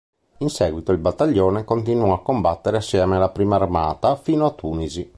In seguito il battaglione continuò a combattere assieme alla I Armata fino a Tunisi.